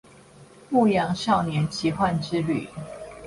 牧羊少年奇幻之旅